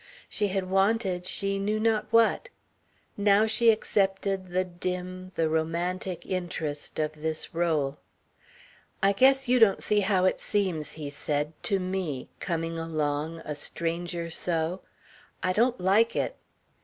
She had wanted she knew not what. Now she accepted the dim, the romantic interest of this rôle. "I guess you don't see how it seems," he said, "to me, coming along a stranger so. I don't like it."